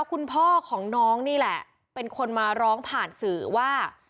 คุณพ่อของน้องนี่แหละเป็นคนมาร้องผ่านสื่อว่า